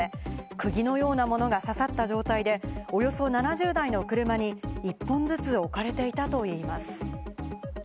クギのようなものが刺さった状態でおよそ７０台の車に１本ずつ置かれていたといいます。